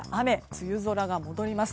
梅雨空が戻ります。